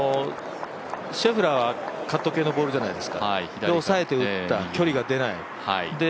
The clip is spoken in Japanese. シェフラーはカット系のボールじゃないですかそれで、抑えて打った距離が出ない。